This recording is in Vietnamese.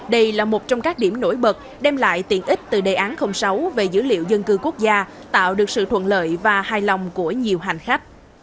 đây là một trong các điểm nổi bật đem lại tiện ích từ đề án sáu về dữ liệu dân cư quốc gia tạo được sự thuận lợi và hài lòng của nhiều hành khách